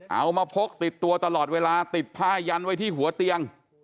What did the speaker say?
พกติดตัวตลอดเวลาติดผ้ายันไว้ที่หัวเตียง